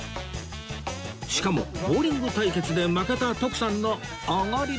しかもボウリング対決で負けた徳さんのおごりです